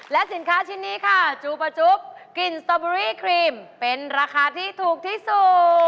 และสินค้าชิ้นนี้ค่ะจูบกินโตเบอร์รี่ครีมเป็นราคาที่ถูกที่สุด